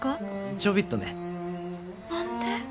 ちょびっとね。何で？